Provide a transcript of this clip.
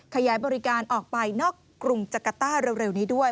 ขยายบริการออกไปนอกกรุงจักรต้าเร็วนี้ด้วย